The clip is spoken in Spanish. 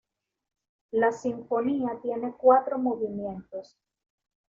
La sinfonía tiene cuatro movimientos.